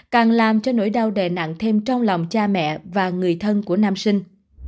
càng làm cho nỗi đau đè nặng thêm trong lòng cha mẹ và người thân của nam sinh